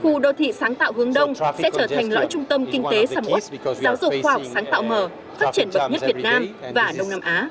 khu đô thị sáng tạo hướng đông sẽ trở thành lõi trung tâm kinh tế sầm út giáo dục khoa học sáng tạo mở phát triển bậc nhất việt nam và đông nam á